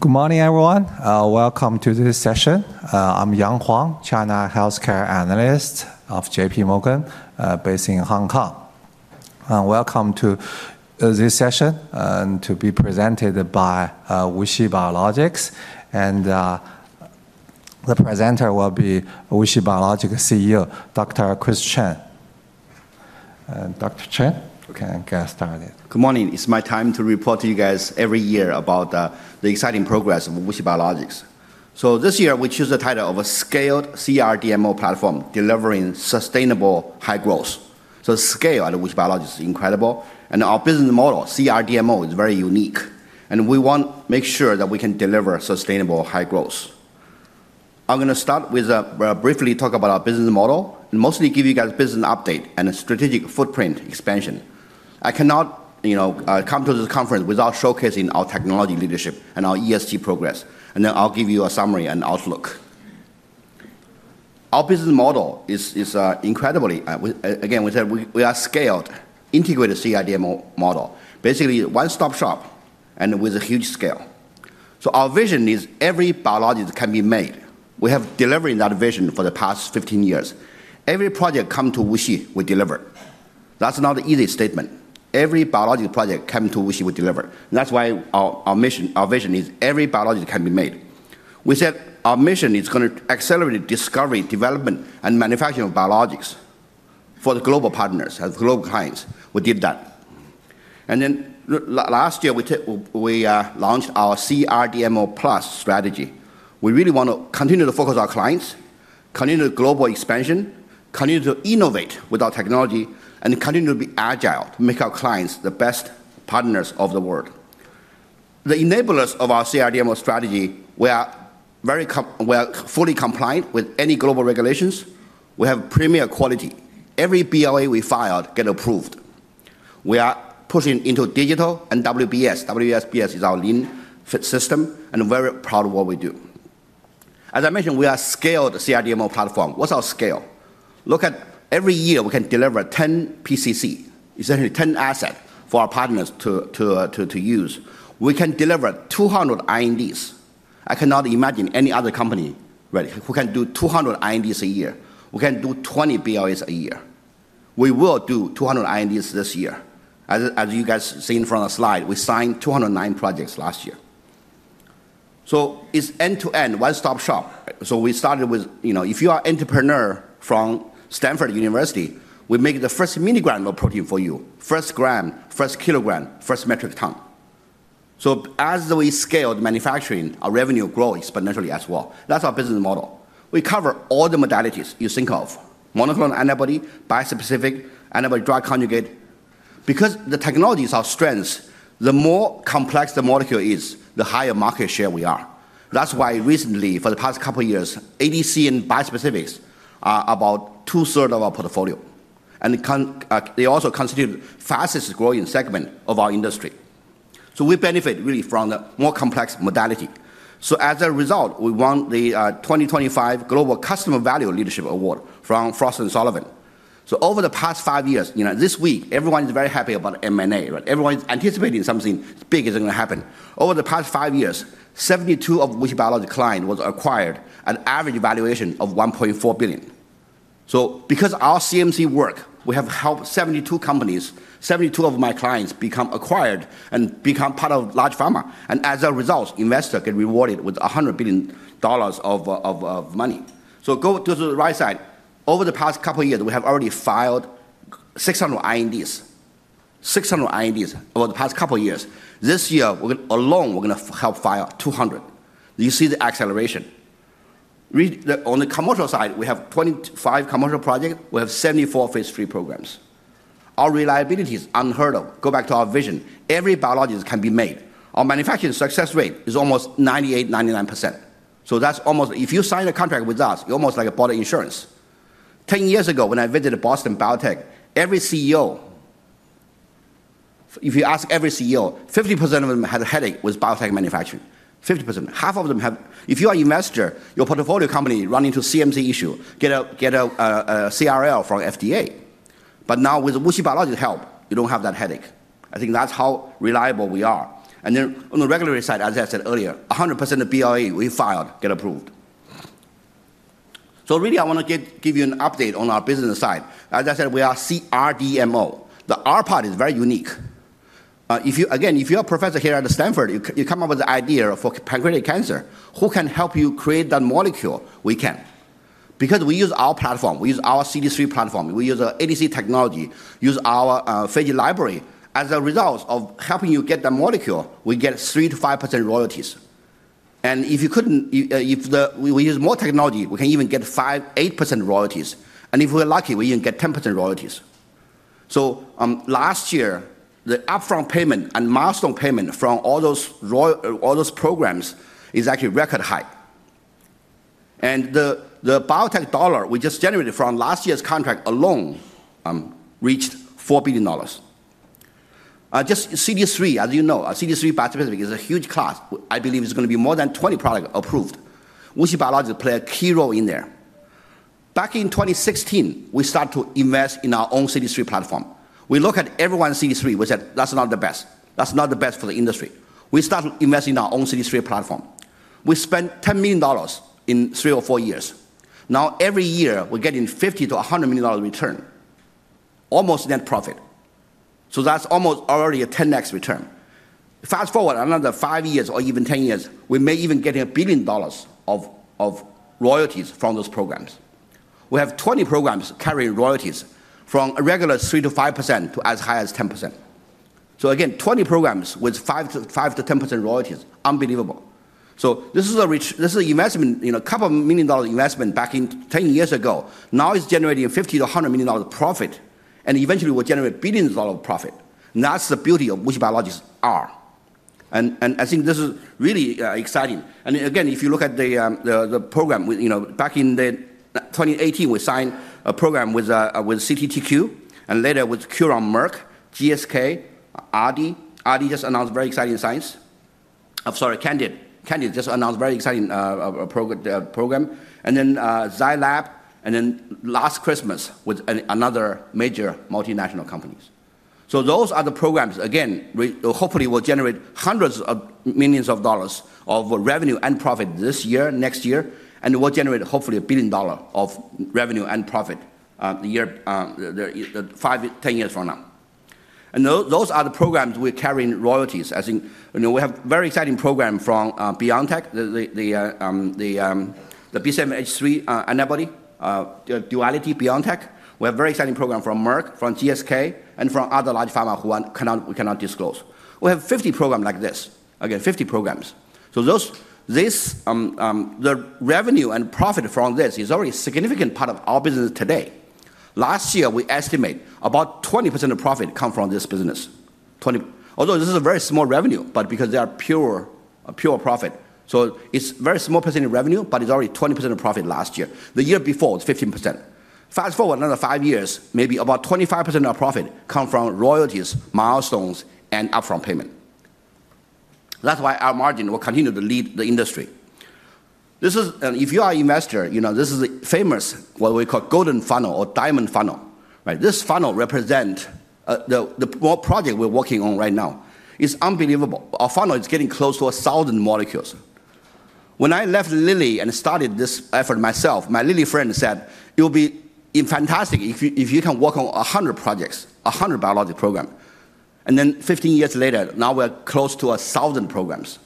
Good morning, everyone. Welcome to this session. I'm Yang Huang, China Healthcare Analyst of J.P. Morgan, based in Hong Kong. Welcome to this session to be presented by WuXi Biologics, and the presenter will be WuXi Biologics CEO, Dr. Chris Chen. Dr. Chen, we can get started. Good morning. It's my time to report to you guys every year about the exciting progress of WuXi Biologics. So this year, we chose the title of a Scaled CRDMO Platform, delivering sustainable high growth. So scale at WuXi Biologics is incredible, and our business model, CRDMO, is very unique. And we want to make sure that we can deliver sustainable high growth. I'm going to start with a brief talk about our business model, and mostly give you guys a business update and a strategic footprint expansion. I cannot come to this conference without showcasing our technology leadership and our ESG progress. And then I'll give you a summary and outlook. Our business model is incredibly, again, we said we are scaled integrated CRDMO model, basically one-stop shop and with a huge scale. So our vision is every biologic can be made. We have delivered that vision for the past 15 years. Every project comes to WuXi, we deliver. That's not an easy statement. Every biologic project comes to WuXi, we deliver. That's why our mission, our vision is every biologic can be made. We said our mission is going to accelerate discovery, development, and manufacturing of biologics for the global partners, global clients. We did that. And then last year, we launched our CRDMO Plus strategy. We really want to continue to focus on our clients, continue to global expansion, continue to innovate with our technology, and continue to be agile to make our clients the best partners of the world. The enablers of our CRDMO strategy, we are fully compliant with any global regulations. We have premier quality. Every BLA we filed gets approved. We are pushing into digital and WBS. WBS is our lean system, and we're very proud of what we do. As I mentioned, we are a scaled CRDMO platform. What's our scale? Look, every year we can deliver 10 PCC, essentially 10 assets for our partners to use. We can deliver 200 INDs. I cannot imagine any other company who can do 200 INDs a year. We can do 20 BLAs a year. We will do 200 INDs this year. As you guys see in front of the slide, we signed 209 projects last year. So it's end-to-end, one-stop shop. So we started with, if you are an entrepreneur from Stanford University, we make the first milligram of protein for you, first gram, first kilogram, first metric ton. So as we scale the manufacturing, our revenue grows exponentially as well. That's our business model. We cover all the modalities you think of: monoclonal antibody, bispecific, antibody-drug conjugate. Because the technology is our strength, the more complex the molecule is, the higher market share we are. That's why recently, for the past couple of years, ADC and bispecifics are about two-thirds of our portfolio. And they also constitute the fastest growing segment of our industry. So we benefit really from the more complex modality. So as a result, we won the 2025 Global Customer Value Leadership Award from Frost & Sullivan. So over the past five years, this week, everyone is very happy about M&A. Everyone is anticipating something big is going to happen. Over the past five years, 72 of WuXi Biologics' clients were acquired at an average valuation of $1.4 billion. Because of our CMC work, we have helped 72 companies, 72 of my clients become acquired and become part of large pharma. And as a result, investors get rewarded with $100 billion of money. Go to the right side. Over the past couple of years, we have already filed 600 INDs, 600 INDs over the past couple of years. This year alone, we're going to help file 200. You see the acceleration. On the commercial side, we have 25 commercial projects. We have 74 phase three programs. Our reliability is unheard of. Go back to our vision. Every biologic can be made. Our manufacturing success rate is almost 98-99%. That's almost, if you sign a contract with us, you're almost like a body of insurance. Ten years ago, when I visited Boston Biotech, every CEO, if you ask every CEO, 50% of them had a headache with biotech manufacturing. 50%. Half of them have, if you are an investor, your portfolio company run into CMC issues, get a CRL from FDA. But now, with WuXi Biologics' help, you don't have that headache. I think that's how reliable we are. And then on the regulatory side, as I said earlier, 100% of BLA we filed get approved. So really, I want to give you an update on our business side. As I said, we are CRDMO. The R part is very unique. Again, if you're a professor here at Stanford, you come up with an idea for pancreatic cancer, who can help you create that molecule? We can. Because we use our platform, we use our CD3 platform, we use ADC technology, use our phage library. As a result of helping you get that molecule, we get 3%-5% royalties. And if we use more technology, we can even get 5%-8% royalties. And if we're lucky, we even get 10% royalties. So last year, the upfront payment and milestone payment from all those programs is actually record high. And the biotech dollar we just generated from last year's contract alone reached $4 billion. Just CD3, as you know, CD3 bispecific is a huge class. I believe it's going to be more than 20 products approved. WuXi Biologics played a key role in there. Back in 2016, we started to invest in our own CD3 platform. We look at everyone's CD3. We said, "That's not the best. That's not the best for the industry." We started investing in our own CD3 platform. We spent $10 million in three or four years. Now, every year, we're getting $50-$100 million return, almost net profit. So that's almost already a 10x return. Fast forward another five years or even 10 years, we may even get a billion dollars of royalties from those programs. We have 20 programs carrying royalties from a regular 3%-5% to as high as 10%. So again, 20 programs with 5%-10% royalties, unbelievable. So this is an investment, a couple of million dollars investment back 10 years ago. Now it's generating $50-$100 million profit, and eventually will generate billions of dollars of profit. That's the beauty of WuXi Biologics' arm. And I think this is really exciting. And again, if you look at the program, back in 2018, we signed a program with CTTQ, and later with Curon, Merck, GSK, Ardi. DI just announced very exciting science. I'm sorry, Candid. Candid just announced a very exciting program. And then Zai Lab, and then last Christmas with another major multinational companies. So those are the programs. Again, hopefully, we'll generate hundreds of millions of dollars of revenue and profit this year, next year, and we'll generate hopefully a billion dollars of revenue and profit 10 years from now. And those are the programs we're carrying royalties. I think we have a very exciting program from BioNTech, the B7-H3 antibody Duality BioNTech. We have a very exciting program from Merck, from GSK, and from other large pharma who we cannot disclose. We have 50 programs like this. Again, 50 programs. So the revenue and profit from this is already a significant part of our business today. Last year, we estimate about 20% of profit comes from this business. Although this is a very small revenue, but because they are pure profit. It's a very small percentage of revenue, but it's already 20% of profit last year. The year before, it's 15%. Fast forward another five years, maybe about 25% of profit comes from royalties, milestones, and upfront payment. That's why our margin will continue to lead the industry. If you are an investor, this is a famous what we call golden funnel or diamond funnel. This funnel represents the project we're working on right now. It's unbelievable. Our funnel is getting close to 1,000 molecules. When I left Lilly and started this effort myself, my Lilly friend said, "It would be fantastic if you can work on 100 projects, 100 biologic programs." And then 15 years later, now we're close to 1,000 programs.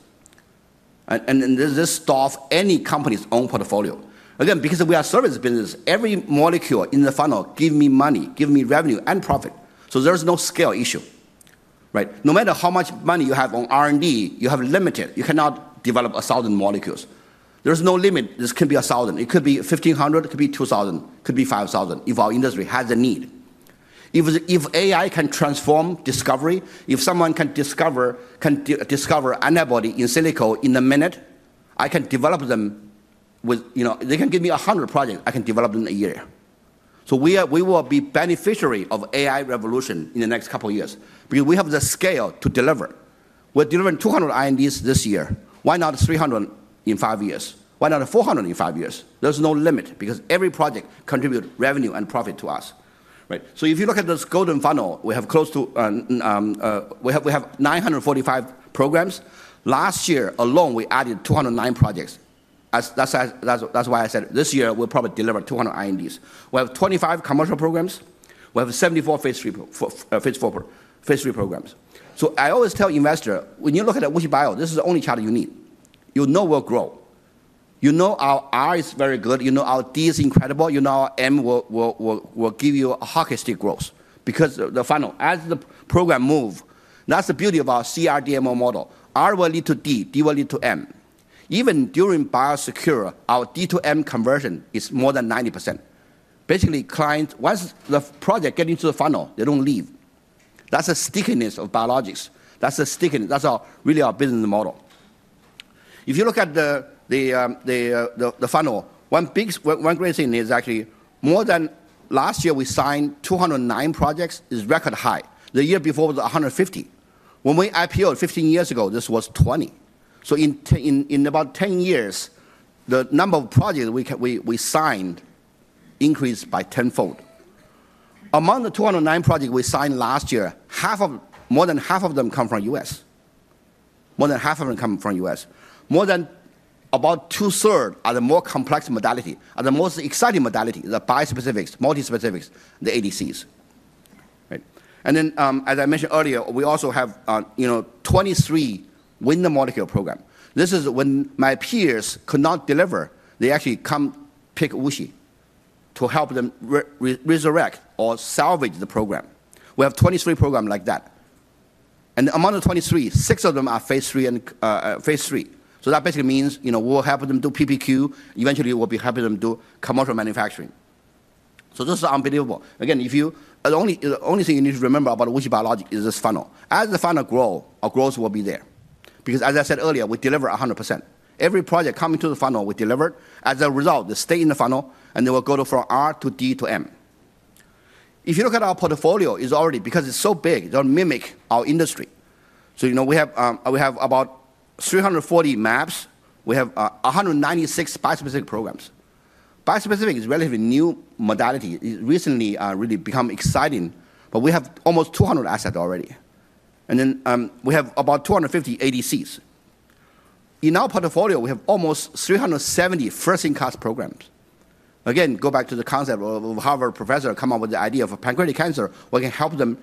And this is the stuff any company's own portfolio. Again, because we are a service business, every molecule in the funnel gives me money, gives me revenue and profit. So there's no scale issue. No matter how much money you have on R&D, you have limited. You cannot develop 1,000 molecules. There's no limit. This can be 1,000. It could be 1,500, it could be 2,000, it could be 5,000 if our industry has a need. If AI can transform discovery, if someone can discover antibody in silico in a minute, I can develop them with—they can give me 100 projects, I can develop them in a year. So we will be beneficiaries of the AI revolution in the next couple of years because we have the scale to deliver. We're delivering 200 INDs this year. Why not 300 in five years? Why not 400 in five years? There's no limit because every project contributes revenue and profit to us. So if you look at this golden funnel, we have close to - we have 945 programs. Last year alone, we added 209 projects. That's why I said this year we'll probably deliver 200 INDs. We have 25 commercial programs. We have 74 phase three programs. So I always tell investors, when you look at WuXi Bio, this is the only channel you need. You know we'll grow. You know our R is very good. You know our D is incredible. You know our M will give you a hockey stick growth because the funnel, as the program moves, that's the beauty of our CRDMO model. R will lead to D, D will lead to M. Even during Biosecure, our D to M conversion is more than 90%. Basically, clients, once the project gets into the funnel, they don't leave. That's the stickiness of biologics. That's the stickiness. That's really our business model. If you look at the funnel, one great thing is actually more than last year we signed 209 projects is record high. The year before was 150. When we IPOed 15 years ago, this was 20. So in about 10 years, the number of projects we signed increased by tenfold. Among the 209 projects we signed last year, more than half of them come from the U.S. More than half of them come from the U.S. More than about two-thirds are the more complex modality. The most exciting modality is the bispecifics, multispecifics, the ADCs. And then, as I mentioned earlier, we also have 23 Win-the-Molecule programs. This is when my peers could not deliver. They actually come pick WuXi to help them resurrect or salvage the program. We have 23 programs like that. Among the 23, six of them are phase three. That basically means we'll help them do PPQ. Eventually, we'll be helping them do commercial manufacturing. This is unbelievable. Again, the only thing you need to remember about WuXi Biologics is this funnel. As the funnel grows, our growth will be there. Because, as I said earlier, we deliver 100%. Every project coming to the funnel, we deliver. As a result, they stay in the funnel, and they will go from R to D to M. If you look at our portfolio, it's already. Because it's so big, it'll mimic our industry. We have about 340 mAbs. We have 196 bispecific programs. Bispecific is a relatively new modality. It recently really became exciting. We have almost 200 assets already. We have about 250 ADCs. In our portfolio, we have almost 370 first-in-class programs. Again, go back to the concept of Harvard professor coming up with the idea of pancreatic cancer, where we can help them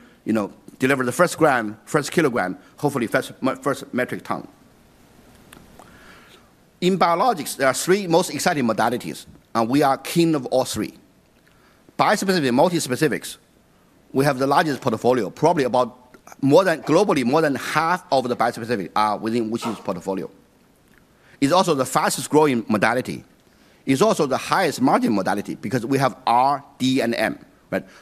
deliver the first gram, first kilogram, hopefully first metric ton. In biologics, there are three most exciting modalities, and we are king of all three. Bispecific and multispecifics, we have the largest portfolio. Probably globally, more than half of the bispecific are within WuXi's portfolio. It's also the fastest growing modality. It's also the highest margin modality because we have R, D, and M.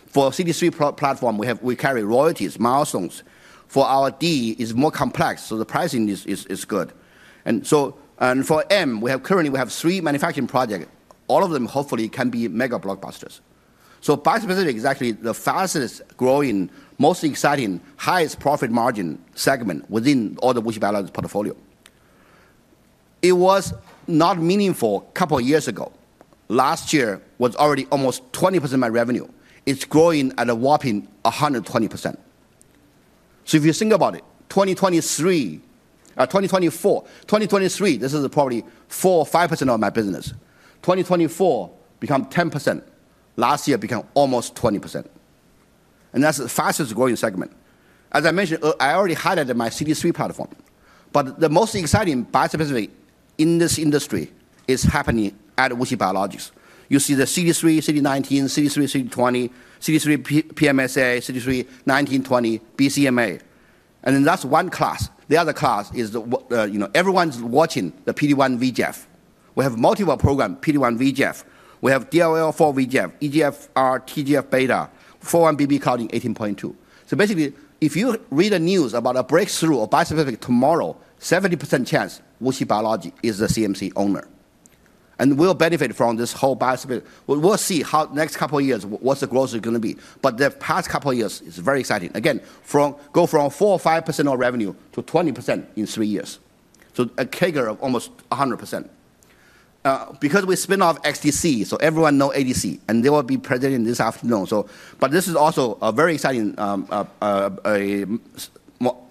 For CD3 platform, we carry royalties, milestones. For our D, it's more complex, so the pricing is good. And for M, currently, we have three manufacturing projects. All of them, hopefully, can be mega blockbusters. So bispecific is actually the fastest growing, most exciting, highest profit margin segment within all the WuXi Biologics portfolio. It was not meaningful a couple of years ago. Last year was already almost 20% of my revenue. It's growing at a whopping 120%, so if you think about it, 2024, this is probably 4%, 5% of my business. 2024 became 10%. Last year became almost 20%, and that's the fastest growing segment. As I mentioned, I already highlighted my CD3 platform, but the most exciting bispecific in this industry is happening at WuXi Biologics. You see the CD3, CD19, CD3, CD20, CD3 PSMA, CD3 19, 20, BCMA, and then that's one class. The other class is everyone's watching the PD-1 VEGF. We have multiple programs, PD-1 VEGF. We have DLL4 VEGF, EGFR, TGF-beta, 4-1BB Claudin 18.2, so basically, if you read the news about a breakthrough or bispecific tomorrow, 70% chance WuXi Biologics is the CMC owner, and we'll benefit from this whole bispecific. We'll see how, next couple of years, what the growth is going to be. But the past couple of years is very exciting. Again, go from 4% or 5% of revenue to 20% in three years. So a kicker of almost 100%. Because we spin off XDC, so everyone knows ADC, and they will be presenting this afternoon. But this is also a very exciting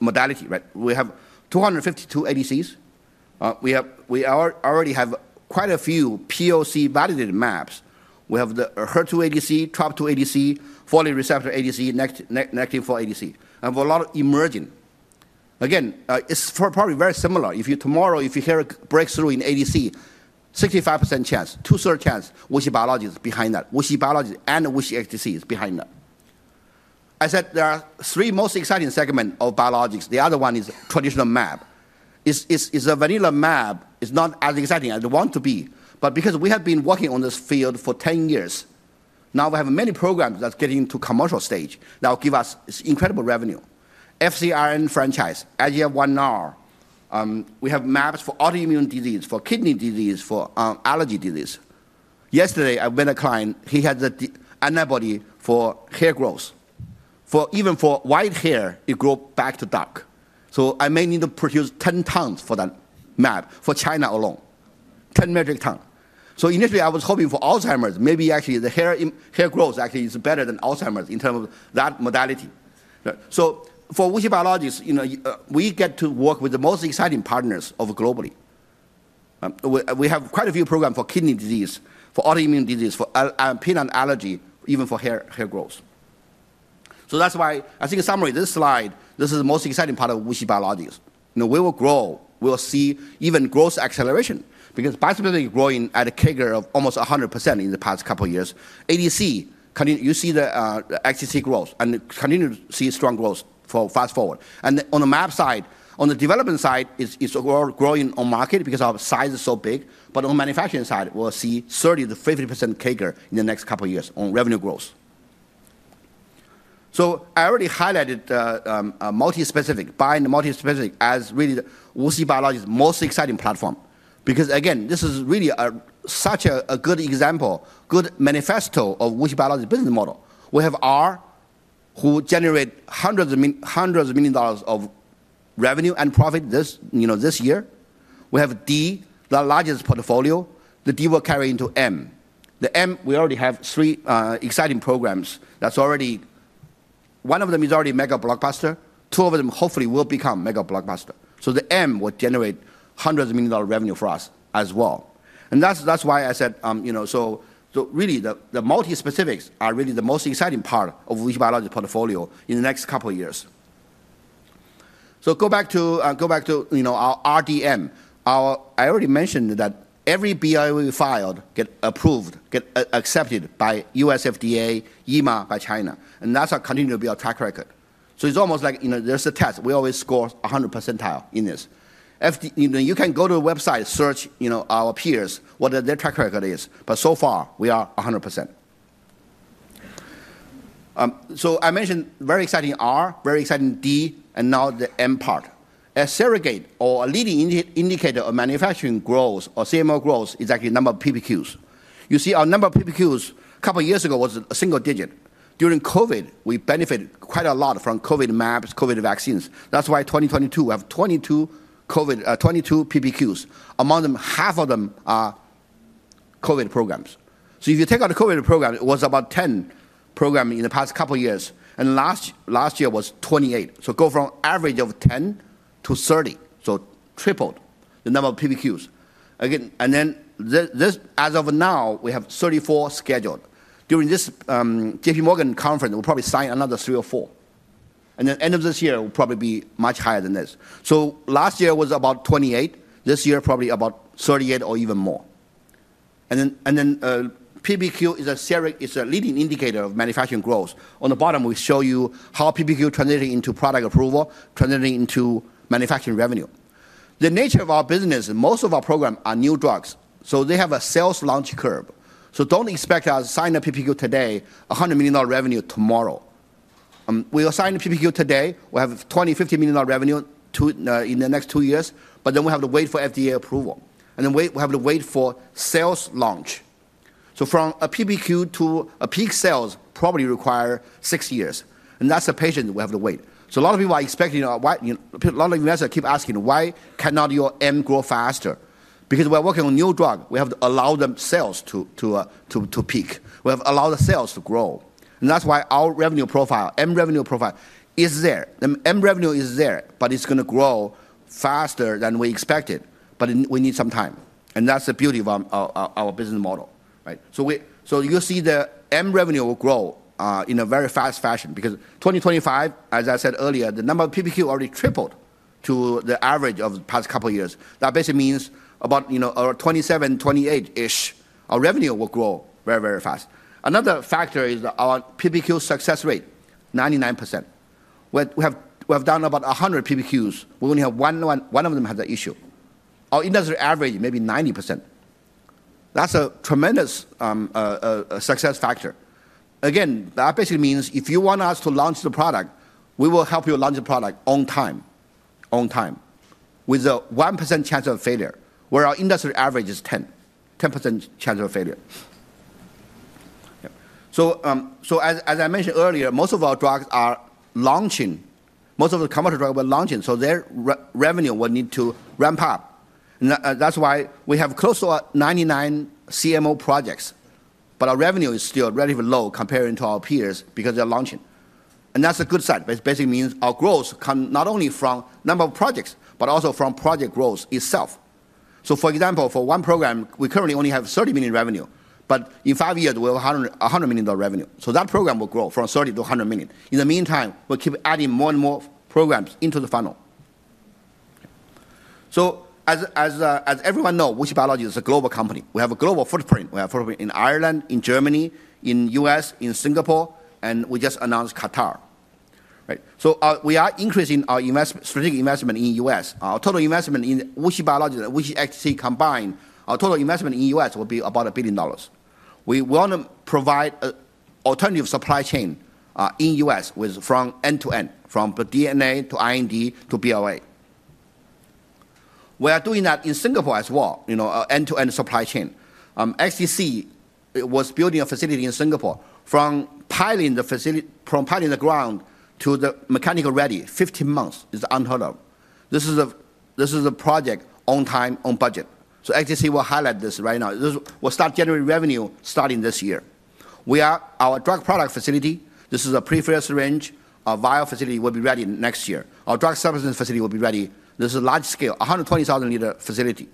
modality. We have 252 ADCs. We already have quite a few POC validated mAbs. We have the HER2 ADC, TROP2 ADC, Folate receptor ADC, Nectin-4 ADC. And we have a lot of emerging. Again, it's probably very similar. Tomorrow, if you hear a breakthrough in ADC, 65% chance, two-third chance WuXi Biologics is behind that. WuXi Biologics and WuXi XDC is behind that. I said there are three most exciting segments of biologics. The other one is traditional mAb. The vanilla mAb is not as exciting as they want to be, but because we have been working on this field for 10 years, now we have many programs that are getting to commercial stage that will give us incredible revenue. FcRn franchise, Agile 1R. We have mAbs for autoimmune disease, for kidney disease, for allergy disease. Yesterday, I met a client. He had the antibody for hair growth. Even for white hair, it grew back to dark. So I may need to produce 10 tons for that mAb for China alone, 10 metric tons, so initially, I was hoping for Alzheimer's. Maybe actually the hair growth actually is better than Alzheimer's in terms of that modality, so for WuXi Biologics, we get to work with the most exciting partners globally. We have quite a few programs for kidney disease, for autoimmune disease, for peanut allergy, even for hair growth. That's why I think in summary, this slide, this is the most exciting part of WuXi Biologics. We will grow, we will see even growth acceleration because bispecific is growing at a kicker of almost 100% in the past couple of years. ADC, you see the XDC growth and continue to see strong growth fast forward. On the MAB side, on the development side, it's growing on market because our size is so big. But on the manufacturing side, we'll see 30%-50% kicker in the next couple of years on revenue growth. I already highlighted multispecific, beyond the multispecific as really WuXi Biologics' most exciting platform. Because again, this is really such a good example, good manifesto of WuXi Biologics' business model. We have R, who generates hundreds of millions of dollars of revenue and profit this year. We have D, the largest portfolio. The D will carry into M. The M, we already have three exciting programs that's already one of them is already mega blockbuster. Two of them hopefully will become mega blockbuster. So the M will generate hundreds of million dollars of revenue for us as well. And that's why I said so really the multispecifics are really the most exciting part of WuXi Biologics' portfolio in the next couple of years. So go back to our RDM. I already mentioned that every BI we filed gets approved, gets accepted by U.S. FDA, EMA by China. And that's how continue to be our track record. So it's almost like there's a test. We always score 100% in this. You can go to the website, search our peers, what their track record is. But so far, we are 100%. So I mentioned very exciting R, very exciting D, and now the M part. A surrogate or a leading indicator of manufacturing growth or CMO growth is actually the number of PPQs. You see our number of PPQs a couple of years ago was a single digit. During COVID, we benefited quite a lot from COVID MABs, COVID vaccines. That's why 2022, we have 22 PPQs. Among them, half of them are COVID programs. So if you take out the COVID program, it was about 10 programs in the past couple of years. And last year was 28. So go from average of 10 to 30. So tripled the number of PPQs. And then as of now, we have 34 scheduled. During this J.P. Morgan conference, we'll probably sign another three or four. And then end of this year, it will probably be much higher than this. So, last year was about 28. This year, probably about 38 or even more. And then PPQ is a leading indicator of manufacturing growth. On the bottom, we show you how PPQ translates into product approval, translating into manufacturing revenue. The nature of our business, most of our programs are new drugs. So they have a sales launch curve. So don't expect us to sign a PPQ today, $100 million revenue tomorrow. We will sign a PPQ today. We have $20-$50 million revenue in the next two years. But then we have to wait for FDA approval. And then we have to wait for sales launch. So from a PPQ to a peak sales probably requires six years. And that's the patience we have to wait. So a lot of people are expecting a lot of investors keep asking, why cannot your M grow faster? Because we're working on new drug. We have to allow the sales to peak. We have to allow the sales to grow, and that's why our revenue profile, M revenue profile, is there. M revenue is there, but it's going to grow faster than we expected. But we need some time, and that's the beauty of our business model, so you'll see the M revenue will grow in a very fast fashion. Because 2025, as I said earlier, the number of PPQ already tripled to the average of the past couple of years. That basically means about 27, 28-ish. Our revenue will grow very, very fast. Another factor is our PPQ success rate, 99%. We have done about 100 PPQs. We only have one of them has an issue. Our industry average may be 90%. That's a tremendous success factor. Again, that basically means if you want us to launch the product, we will help you launch the product on time, on time, with a 1% chance of failure, where our industry average is 10, 10% chance of failure. So as I mentioned earlier, most of our drugs are launching. Most of the commercial drugs were launching. So their revenue will need to ramp up. That's why we have close to 99 CMO projects. But our revenue is still relatively low comparing to our peers because they're launching. And that's a good sign. It basically means our growth comes not only from the number of projects, but also from project growth itself. So for example, for one program, we currently only have $30 million revenue. But in five years, we'll have $100 million revenue. So that program will grow from $30 million to $100 million. In the meantime, we'll keep adding more and more programs into the funnel. So as everyone knows, WuXi Biologics is a global company. We have a global footprint. We have a footprint in Ireland, in Germany, in the U.S., in Singapore. And we just announced Qatar. So we are increasing our strategic investment in the U.S. Our total investment in WuXi Biologics, WuXi XDC combined, our total investment in the U.S. will be about $1 billion. We want to provide an alternative supply chain in the U.S. from end to end, from DNA to IND to BLA. We are doing that in Singapore as well, end-to-end supply chain. XDC was building a facility in Singapore. From piling the ground to the mechanical ready, 15 months is unheard of. This is a project on time, on budget. So XDC will highlight this right now. We'll start generating revenue starting this year. Our drug product facility, this is a prefilled syringe range. Our vial facility will be ready next year. Our drug substance facility will be ready. This is a large-scale, 120,000-liter facility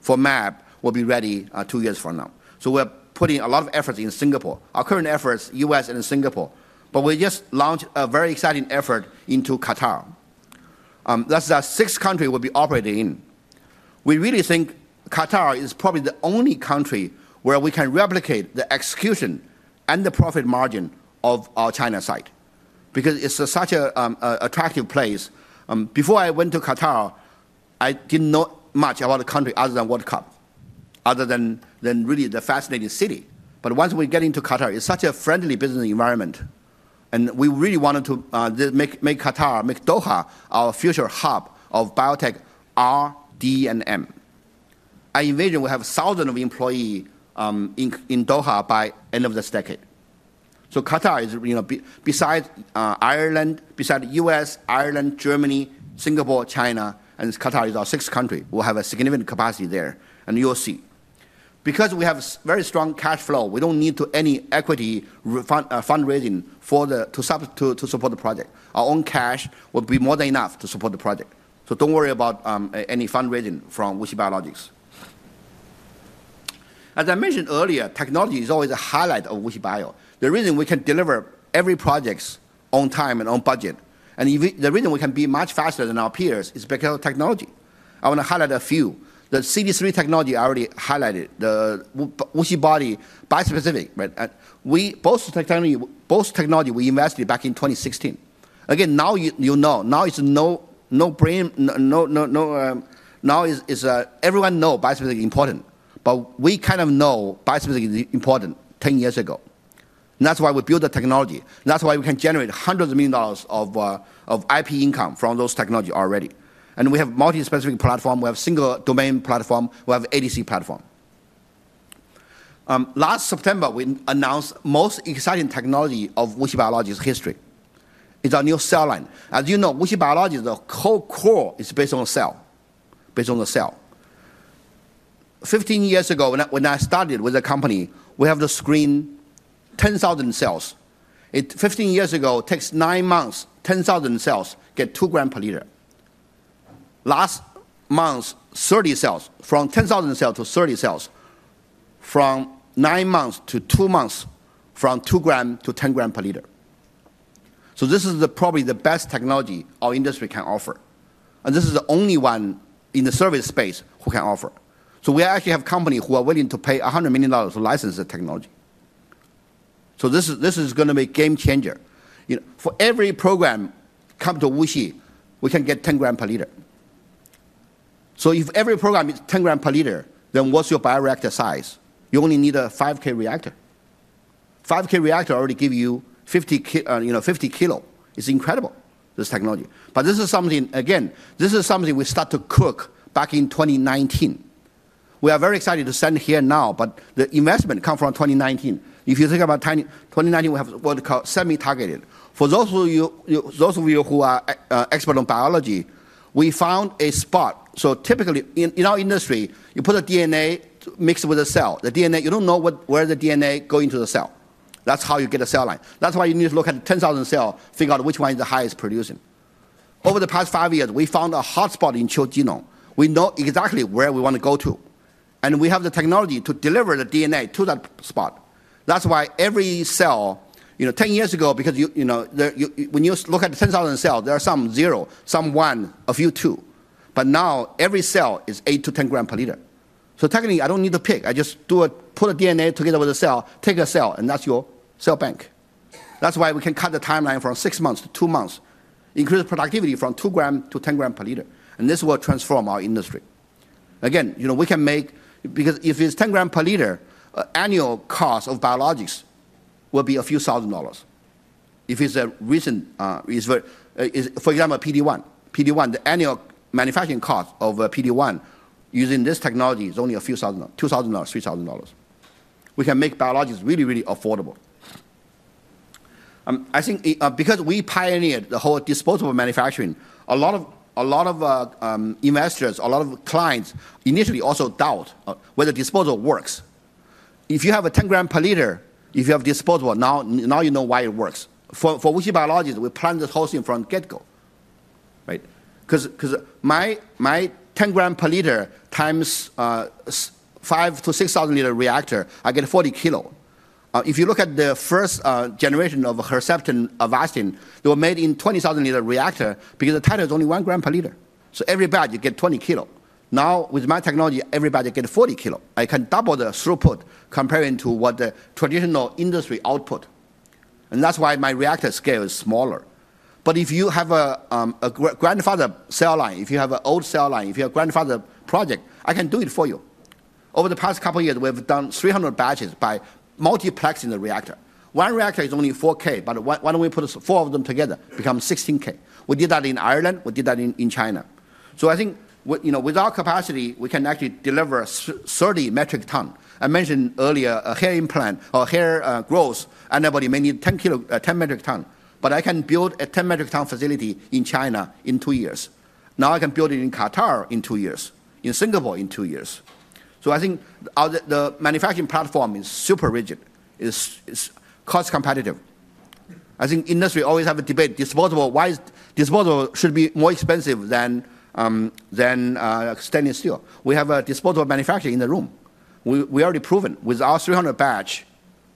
for mAb will be ready two years from now. So we're putting a lot of efforts in Singapore. Our current efforts, U.S. and Singapore. But we just launched a very exciting effort into Qatar. That's the six countries we'll be operating in. We really think Qatar is probably the only country where we can replicate the execution and the profit margin of our China site. Because it's such an attractive place. Before I went to Qatar, I didn't know much about the country other than World Cup, other than really the fascinating city. But once we get into Qatar, it's such a friendly business environment. And we really wanted to make Qatar, make Doha our future hub of biotech R, D, and M. I envision we have thousands of employees in Doha by the end of this decade. So Qatar is besides Ireland, besides the U.S., Ireland, Germany, Singapore, China, and Qatar is our sixth country. We'll have a significant capacity there. And you'll see. Because we have very strong cash flow, we don't need any equity fundraising to support the project. Our own cash will be more than enough to support the project. So don't worry about any fundraising from WuXi Biologics. As I mentioned earlier, technology is always a highlight of WuXi Bio. The reason we can deliver every project on time and on budget. And the reason we can be much faster than our peers is because of technology. I want to highlight a few. The CD3 technology I already highlighted. The WuXiBody bispecific. Both technologies we invested back in 2016. Again, now you know. Now it's a no-brainer. Now everyone knows bispecific is important. But we kind of know bispecific is important 10 years ago. And that's why we built the technology. That's why we can generate hundreds of millions of dollars of IP income from those technologies already. And we have multispecific platform. We have single domain platform. We have ADC platform. Last September, we announced the most exciting technology of WuXi Biologics history. It's our new cell line. As you know, WuXi Biologics' core is based on a cell. 15 years ago, when I started with the company, we had to screen 10,000 cells. 15 years ago, it takes nine months. 10,000 cells get 2 grams per liter. Last month, 30 cells, from 10,000 cells to 30 cells, from nine months to two months, from two grams to 10 grams per liter, so this is probably the best technology our industry can offer, and this is the only one in the service space who can offer, so we actually have companies who are willing to pay $100 million to license the technology, so this is going to be a game changer. For every program coming to WuXi, we can get 10 grams per liter, so if every program is 10 grams per liter, then what's your bioreactor size? You only need a 5K reactor. 5K reactor already gives you 50 kilos. It's incredible, this technology, but this is something, again, this is something we start to cook back in 2019. We are very excited to send here now, but the investment comes from 2019. If you think about 2019, we have what we call semi-targeted. For those of you who are experts on biology, we found a spot, so typically, in our industry, you put a DNA mixed with a cell. The DNA, you don't know where the DNA goes into the cell. That's how you get a cell line. That's why you need to look at the 10,000 cells, figure out which one is the highest producing. Over the past five years, we found a hotspot in CHO genome. We know exactly where we want to go to, and we have the technology to deliver the DNA to that spot. That's why every cell, 10 years ago, because when you look at the 10,000 cells, there are some zero, some one, a few two, but now every cell is 8 to 10 grams per liter, so technically, I don't need to pick. I just put a DNA together with a cell, take a cell, and that's your cell bank. That's why we can cut the timeline from six months to two months, increase productivity from 2 grams to 10 grams per liter, and this will transform our industry. Again, we can make because if it's 10 grams per liter, annual cost of biologics will be a few thousand dollars. If it's a recent, for example, PD-1, PD-1, the annual manufacturing cost of PD-1 using this technology is only a few thousand, $2,000, $3,000. We can make biologics really, really affordable. I think because we pioneered the whole disposable manufacturing, a lot of investors, a lot of clients initially also doubt whether disposable works. If you have a 10 grams per liter, if you have disposable, now you know why it works. For WuXi Biologics, we planned this whole thing from get-go. Because my 10 grams per liter times 5,000 to 6,000 liter reactor, I get 40 kilos. If you look at the first generation of Herceptin, Avastin, it was made in a 20,000 liter reactor because the titer is only 1 gram per liter. So every batch gets 20 kilos. Now, with my technology, every batch gets 40 kilos. I can double the throughput comparing to what the traditional industry output. And that's why my reactor scale is smaller. But if you have a grandfather cell line, if you have an old cell line, if you have a grandfather project, I can do it for you. Over the past couple of years, we have done 300 batches by multiplexing the reactor. One reactor is only 4K. But why don't we put four of them together? It becomes 16K. We did that in Ireland. We did that in China. So I think with our capacity, we can actually deliver 30 metric tons. I mentioned earlier, a hair implant or hair growth anabolic may need 10 metric tons. But I can build a 10 metric tons facility in China in two years. Now I can build it in Qatar in two years, in Singapore in two years. So I think the manufacturing platform is super rigid. It's cost competitive. I think industry always have a debate. Disposable, why disposable should be more expensive than stainless steel? We have a disposable manufacturer in the room. We already proven with our 300 batch,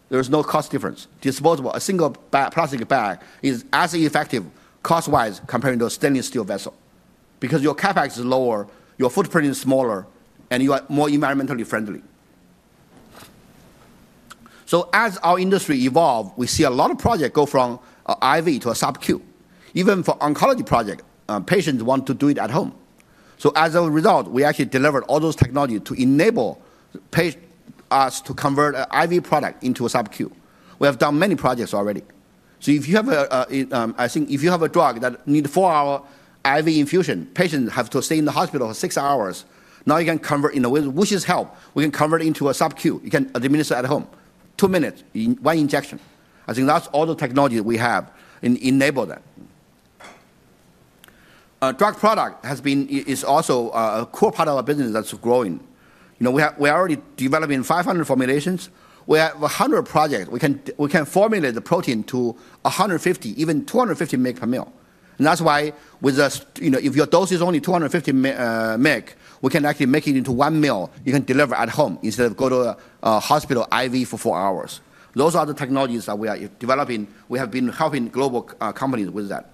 there is no cost difference. Disposable, a single plastic bag is as effective cost-wise compared to a stainless steel vessel. Because your CapEx is lower, your footprint is smaller, and you are more environmentally friendly. As our industry evolved, we see a lot of projects go from IV to a SubQ. Even for oncology projects, patients want to do it at home. As a result, we actually delivered all those technologies to enable us to convert an IV product into a SubQ. We have done many projects already. If you have a drug that needs four hours IV infusion, patients have to stay in the hospital for six hours. Now you can convert with WuXi's help; we can convert into a SubQ. You can administer at home, two minutes, one injection. I think that's all the technology we have enabled that. Drug product is also a core part of our business that's growing. We are already developing 500 formulations. We have 100 projects. We can formulate the protein to 150 mg, even 250 mg per mL. And that's why with a, if your dose is only 250 mg, we can actually make it into one mL. You can deliver at home instead of go to a hospital IV for four hours. Those are the technologies that we are developing. We have been helping global companies with that.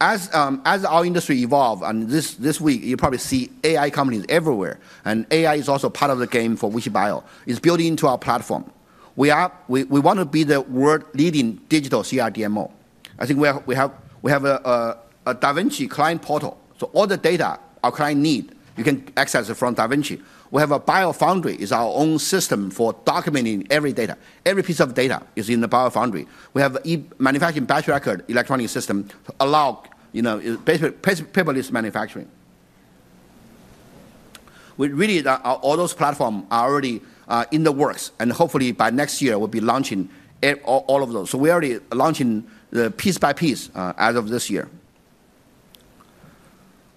As our industry evolves, and this week, you probably see AI companies everywhere. And AI is also part of the game for WuXi Bio. It's built into our platform. We want to be the world-leading digital CRDMO. I think we have a DaVinci client portal. So all the data our clients need, you can access it from DaVinci. We have a BioFoundry. It's our own system for documenting every data. Every piece of data is in the BioFoundry. We have a manufacturing batch record electronic system to allow paperless manufacturing. Really, all those platforms are already in the works, and hopefully, by next year, we'll be launching all of those. We're already launching piece by piece as of this year.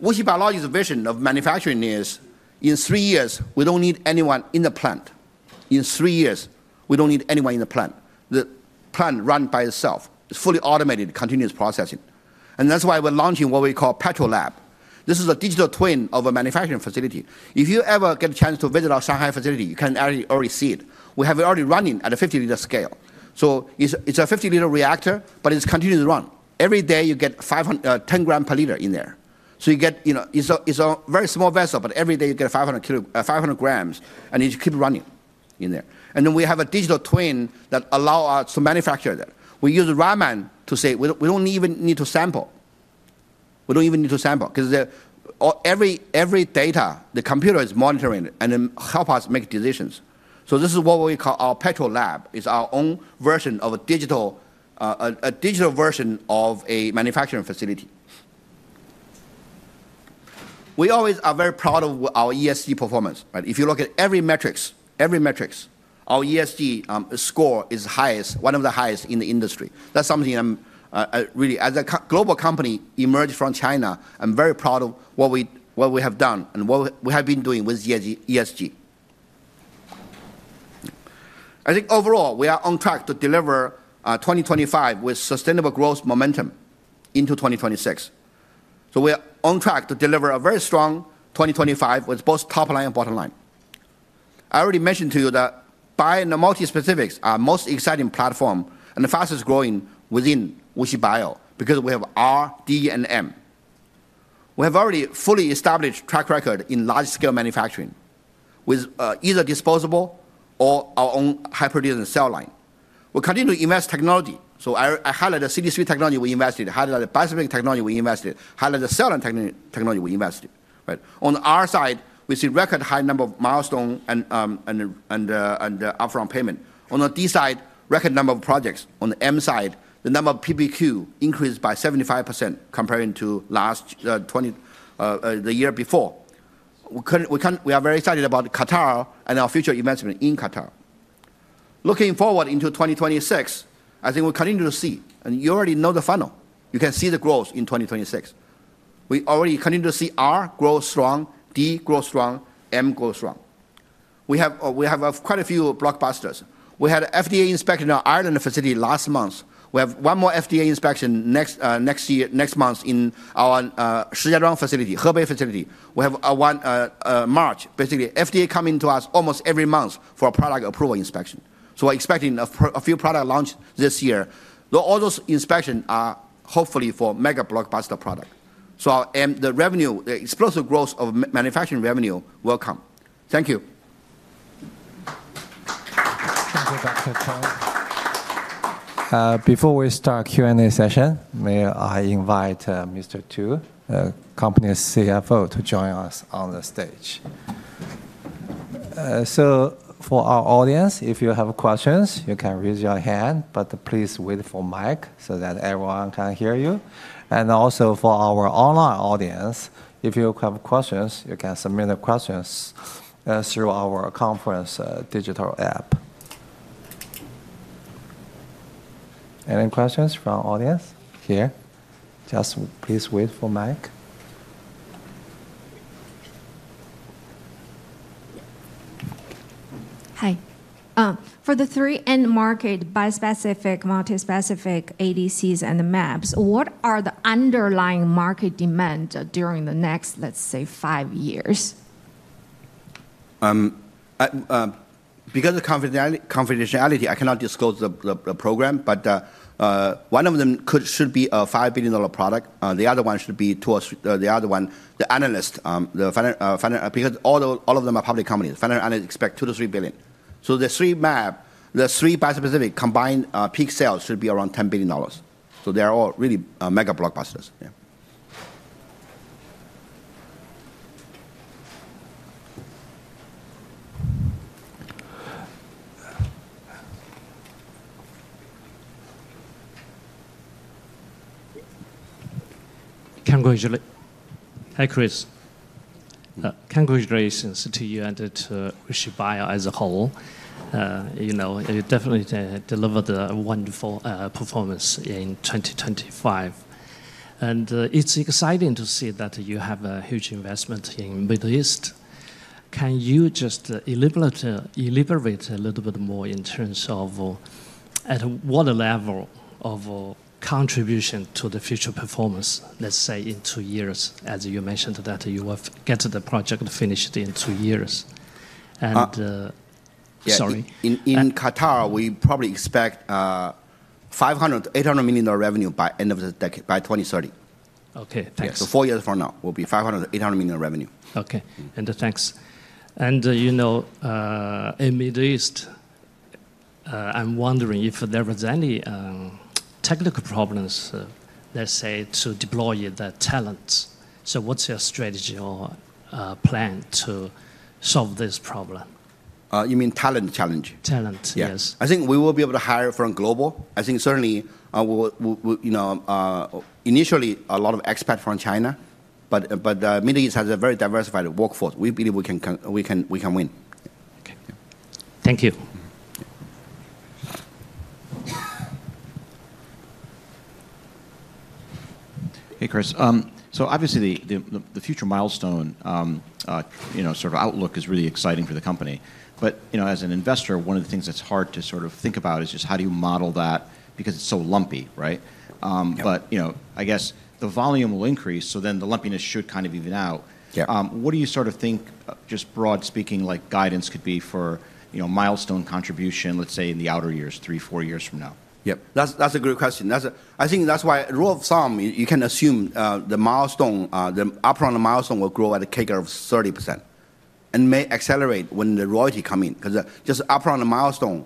WuXi Biologics' vision of manufacturing is in three years, we don't need anyone in the plant. The plant runs by itself. It's fully automated continuous processing, and that's why we're launching what we call PAT VroLab. This is a digital twin of a manufacturing facility. If you ever get a chance to visit our Shanghai facility, you can already see it. We have it already running at a 50 liter scale. It's a 50 liter reactor, but it's continuous run. Every day, you get 10 grams per liter in there. So you get it's a very small vessel, but every day, you get 500 grams, and it keeps running in there. And then we have a digital twin that allows us to manufacture that. We use Raman to say we don't even need to sample. We don't even need to sample. Because every data, the computer is monitoring and helping us make decisions. So this is what we call our PATrol Lab. It's our own version of a digital version of a manufacturing facility. We always are very proud of our ESG performance. If you look at every metrics, every metrics, our ESG score is highest, one of the highest in the industry. That's something I'm really, as a global company emerged from China, I'm very proud of what we have done and what we have been doing with ESG. I think overall, we are on track to deliver 2025 with sustainable growth momentum into 2026. So we are on track to deliver a very strong 2025 with both top line and bottom line. I already mentioned to you that biomultispecifics are the most exciting platform and the fastest growing within WuXi Bio because we have R, D, and M. We have already fully established track record in large-scale manufacturing with either disposable or hyper-dense cell line. We continue to invest technology. So I highlighted CD3 technology we invested in. Highlighted bispecific technology we invested in. Highlighted cell line technology we invested in. On our side, we see record high number of milestones and upfront payment. On the D side, record number of projects. On the M side, the number of PPQ increased by 75% comparing to last the year before. We are very excited about Qatar and our future investment in Qatar. Looking forward into 2026, I think we continue to see. And you already know the funnel. You can see the growth in 2026. We already continue to see R grow strong, D grow strong, M grow strong. We have quite a few blockbusters. We had an FDA inspection in our Ireland facility last month. We have one more FDA inspection next month in our Shijiazhuang facility, Hebei facility. We have one in March. Basically, FDA coming to us almost every month for a product approval inspection. So we're expecting a few product launches this year. All those inspections are hopefully for mega blockbuster product. So the revenue, the explosive growth of manufacturing revenue will come. Thank you. Thank you, Dr. Chen. Before we start Q&A session, may I invite Mr. Tu, the company's CFO, to join us on the stage. So for our audience, if you have questions, you can raise your hand. But please wait for Mike so that everyone can hear you. And also for our online audience, if you have questions, you can submit your questions through our conference digital app. Any questions from the audience here? Just please wait for Mike. Hi. For the three end market bispecific, multispecific, ADCs, and the mAbs, what are the underlying market demands during the next, let's say, five years? Because of confidentiality, I cannot disclose the program. But one of them should be a $5 billion product. The other one should be towards the other one, the analyst. Because all of them are public companies. Finance and analysts expect $2-$3 billion. So the three mAb, the three bispecific combined peak sales should be around $10 billion. So they are all really mega blockbusters. Congratulations. Hi, Chris. Congratulations to you and to WuXi Biologics as a whole. You definitely delivered a wonderful performance in 2025. And it's exciting to see that you have a huge investment in Middle East. Can you just elaborate a little bit more in terms of at what level of contribution to the future performance, let's say, in two years, as you mentioned that you will get the project finished in two years? And sorry. In Qatar, we probably expect $500-$800 million revenue by end of the decade, by 2030. Okay. Thanks. So four years from now, we'll be $500–$800 million revenue. Okay. And thanks. And in Middle East, I'm wondering if there was any technical problems, let's say, to deploy the talents. So what's your strategy or plan to solve this problem? You mean talent challenge? Talent, yes. I think we will be able to hire from global. I think certainly initially, a lot of expats from China. But the Middle East has a very diversified workforce. We believe we can win. Okay. Thank you. Hey, Chris. So obviously, the future milestone sort of outlook is really exciting for the company. But as an investor, one of the things that's hard to sort of think about is just how do you model that because it's so lumpy, right? But I guess the volume will increase, so then the lumpiness should kind of even out. What do you sort of think, just broad speaking, guidance could be for milestone contribution, let's say, in the outer years, three, four years from now? Yep. That's a good question. I think that's why, rule of thumb, you can assume the milestone, the upfront milestone will grow at a CAGR of 30% and may accelerate when the royalty come in. Because just upfront milestone,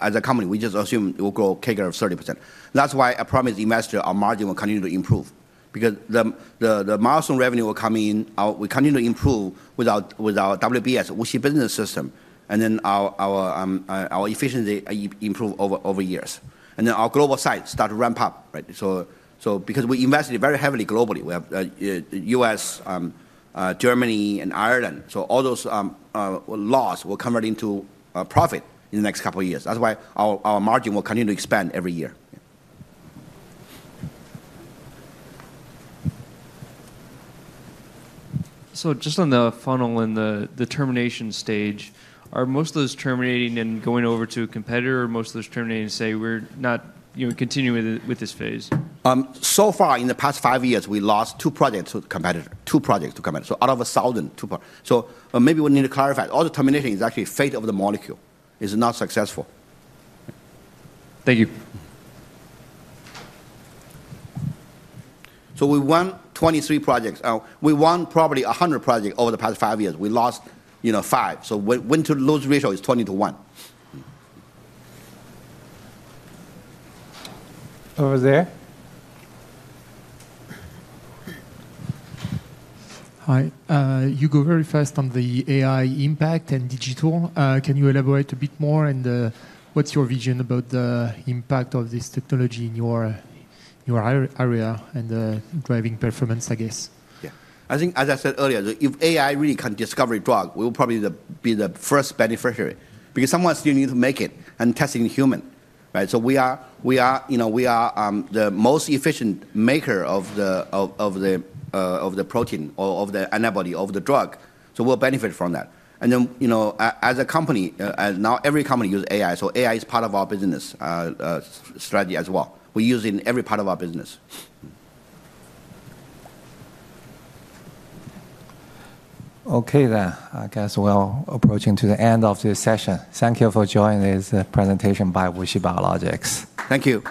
as a company, we just assume it will grow a CAGR of 30%. That's why I promised investors our margin will continue to improve. Because the milestone revenue will come in, we continue to improve with our WBS, WuXi Business System, and then our efficiency improves over years, and then our global sites start to ramp up. Because we invested very heavily globally, we have US, Germany, and Ireland. So all those losses will convert into profit in the next couple of years. That's why our margin will continue to expand every year. So just on the final, in the termination stage, are most of those terminating and going over to a competitor? Most of those terminations, say, we're not continuing with this phase? So far, in the past five years, we lost two projects to a competitor, two projects to a competitor. So out of 1,000, two projects. So maybe we need to clarify. All the termination is actually fate of the molecule. It's not successful. Thank you. So we won 23 projects. We won probably 100 projects over the past five years. We lost five. So win-loss ratio is 20 to 1. Over there. Hi. You go very fast on the AI impact and digital. Can you elaborate a bit more? And what's your vision about the impact of this technology in your area and driving performance, I guess? Yeah. I think, as I said earlier, if AI really can discover a drug, we will probably be the first beneficiary. Because someone still needs to make it and test it in humans, so we are the most efficient maker of the protein or of the antibody of the drug. So we'll benefit from that and then, as a company, now every company uses AI, so AI is part of our business strategy as well. We use it in every part of our business. Okay then. I guess we're approaching the end of this session. Thank you for joining this presentation by WuXi Biologics. Thank you.